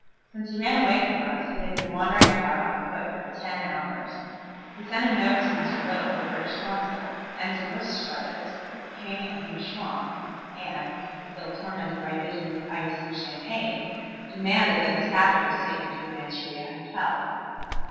Since he ran away from us he had been wandering about on foot for ten hours. He sent a note to Mr. Little, the British Consul, and to Bush Brothers, the kings of New Chwang, and, still tormented by visions of ice and champagne, demanded that his captors take him to the Manchuria Hotel.